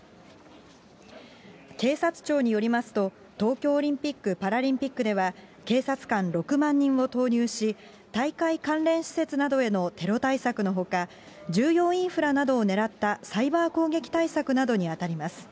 警察庁によりますと、東京オリンピック・パラリンピックでは、警察官６万人を投入し、大会関連施設などへのテロ対策のほか、重要インフラなどを狙ったサイバー攻撃対策などに当たります。